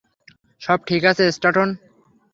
সব ঠিক আছে, স্ট্যান্টন।